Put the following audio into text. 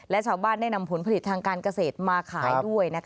และชาวบ้านได้นำผลผลิตทางการเกษตรมาขายด้วย